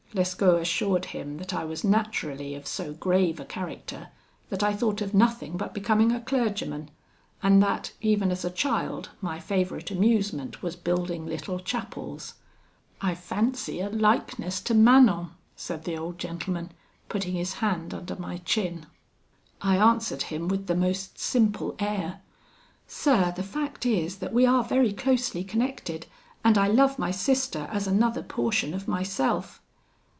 Lescaut assured him that I was naturally of so grave a character that I thought of nothing but becoming a clergyman, and that, even as a child, my favourite amusement was building little chapels. 'I fancy a likeness to Manon,' said the old gentleman, putting his hand under my chin. I answered him, with the most simple air 'Sir, the fact is, that we are very closely connected, and I love my sister as another portion of myself.'